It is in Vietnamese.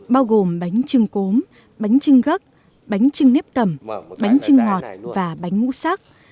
bao gồm bánh trưng cốm bánh trưng gấc bánh trưng nếp tẩm bánh trưng ngọt và bánh ngũ sắc